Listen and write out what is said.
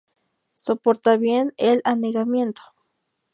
Soporta bien el anegamiento.